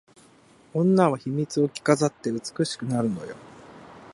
女は秘密を着飾って美しくなるのよ